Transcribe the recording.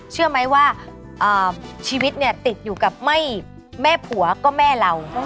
เชื่อไหมว่าชีวิตเนี่ยติดอยู่กับไม่แม่ผัวก็แม่เรา